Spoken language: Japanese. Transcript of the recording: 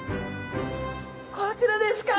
こちらですか。